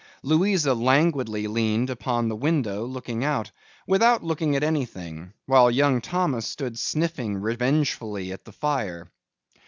Louisa languidly leaned upon the window looking out, without looking at anything, while young Thomas stood sniffing revengefully at the fire.